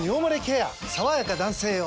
さわやか男性用」